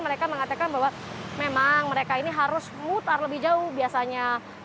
mereka mengatakan bahwa memang mereka ini harus mutar lebih jauh biasanya